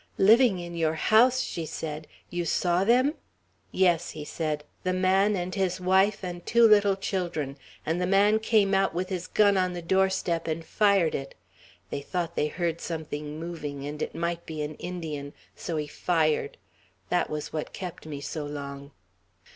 "Living in your house!" she said. "You saw them?" "Yes," he said; "the man, and his wife, and two little children; and the man came out, with his gun, on the doorstep, and fired it. They thought they heard something moving, and it might be an Indian; so he fired. That was what kept me so long."